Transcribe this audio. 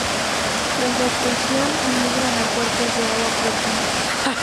Tras la eclosión, emigran a cuerpos de agua próximos.